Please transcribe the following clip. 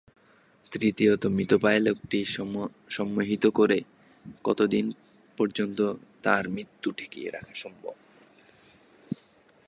তৃতীয়ত, মৃতপ্রায় লোকটিকে সম্মোহিত করে কতদিন পর্যন্ত তার মৃত্যুকে ঠেকিয়ে রাখা সম্ভব?